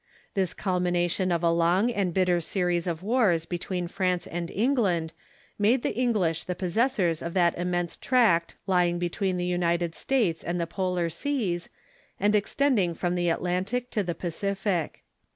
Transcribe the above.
This culmination of a long and bitter series of wars between France and England made the English the possessors of that immense tract lying between the United States and the polar seas, and extending from the Atlantic to the Pacific.